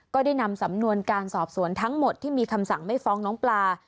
ได้นำสำนวนการสอบสวนทั้งหมดที่มีคำสั่งไม่ฟ้องน้องปลา